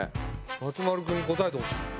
松丸君に答えてほしい。